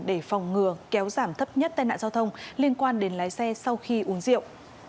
để phòng ngừa kéo giảm thấp nhất tai nạn giao thông liên quan đến lái xe sau khi uống rượu